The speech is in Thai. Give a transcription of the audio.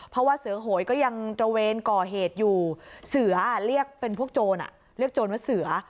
เพราะว่าเสือโหยก็ยังตระเวนก่อเหตุอยู่เสือเรียกเป็นพวกโจรเรียกโจรว่าเสือ